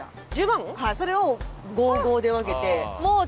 それを５５で分けて。